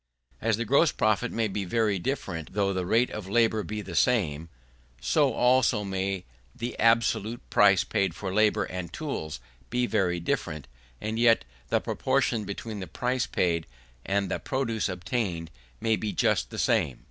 As the gross profit may be very different though the rate of profit be the same; so also may the absolute price paid for labour and tools be very different, and yet the proportion between the price paid and the produce obtained may be just the same.